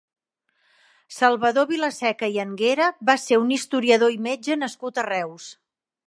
Salvador Vilaseca i Anguera va ser un historiador i metge nascut a Reus.